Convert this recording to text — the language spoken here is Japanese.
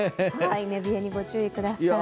寝冷えに御注意ください。